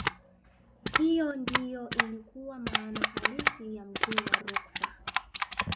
hiyo ndiyo ilikuwa maana halisi ya mzee wa ruksa